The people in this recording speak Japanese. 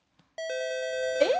えっ！